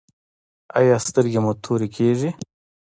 ایا سترګې مو تورې کیږي؟